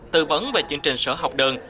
tư vấn về chương trình sữa học đường